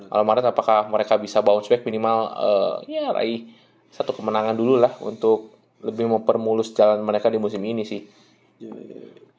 kalau maret apakah mereka bisa bounce back minimal raih satu kemenangan dulu lah untuk lebih mempermulus jalan mereka di musim ini sih